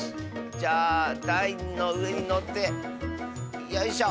じゃあだいのうえにのってよいしょ。